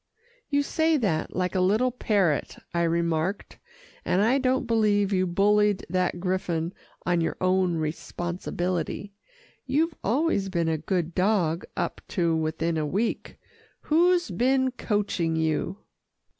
"You say that like a little parrot," I remarked, "and I don't believe you bullied that griffon on your own responsibility. You've always been a good dog up to within a week. Who's been coaching you?"